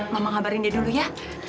mama ngabarin dia dulu ya